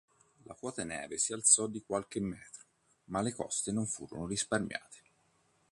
La quota neve si alzò di qualche metro, ma le coste non furono risparmiate.